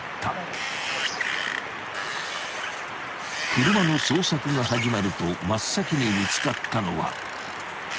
［車の捜索が始まると真っ先に見つかったのは］